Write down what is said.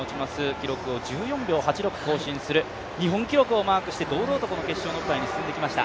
記録を１４秒８６更新する日本記録をマークして堂々とこの決勝の舞台に進んできました。